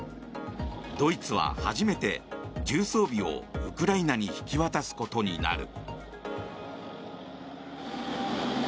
ドイツは初めて重装備をウクライナに引き渡すことになる。